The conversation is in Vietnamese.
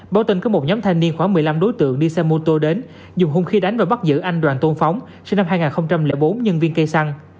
báo tin có một nhóm thanh niên khoảng một mươi năm đối tượng đi xe mô tô đến dùng hung khí đánh và bắt giữ anh đoàn tôn phóng sinh năm hai nghìn bốn nhân viên cây xăng